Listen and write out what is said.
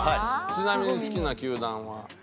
ちなみに好きな球団は？